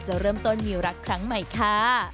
จะเริ่มต้นมีรักครั้งใหม่ค่ะ